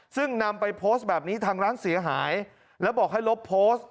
ซึ่งนำไปโพสต์แบบนี้ทางร้านเสียหายแล้วบอกให้ลบโพสต์